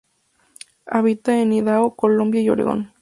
Habita en Idaho, Colombia y Oregon.